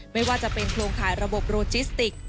ไม่ว่าจะเป็นโครงข่ายระบบโรจิสติก